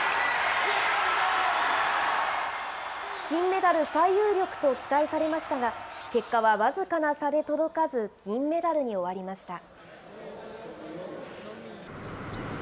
金メダル最有力と期待されましたが、結果は僅かな差で届かず銀メダルに終わりました。